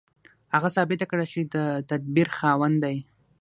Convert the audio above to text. هغه ثابته کړه چې د تدبير خاوند دی.